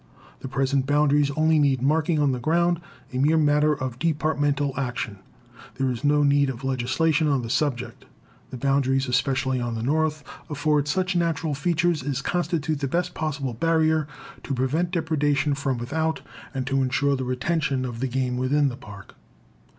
The present boundaries only need marking on the ground a mere matter of departmental action. There is no need of legislation on the subject. The boundaries, especially on the north, afford such natural features as constitute the best possible barrier to prevent depredation from without, and to insure the retention of the game within, the Park.